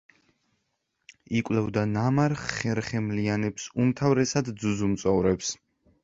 იკვლევდა ნამარხ ხერხემლიანებს, უმთავრესად ძუძუმწოვრებს.